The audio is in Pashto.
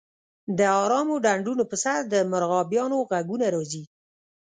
د ارامو ډنډونو په سر د مرغابیانو غږونه راځي